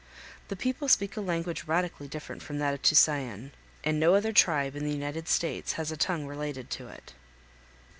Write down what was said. The people speak a language radically different from that of Tusayan, and no other tribe in the United States has a tongue related to it.